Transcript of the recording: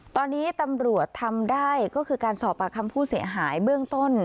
ตอนนี้ตำรวจทำได้ก็คือการสอบปากคำผู้เสียหายเบื้องต้น